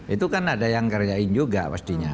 itu kan ada yang kerjain juga pastinya